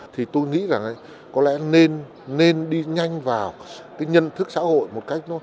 thì tôi nghĩ rằng có lẽ nên đi nhanh vào nhân thức xã hội một cách